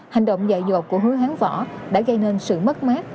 hành động dạy dột của hứa hán võ đã gây nên sự mất mát